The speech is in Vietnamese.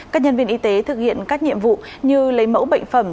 các nhân viên y tế thực hiện các nhiệm vụ như lấy mẫu bệnh phẩm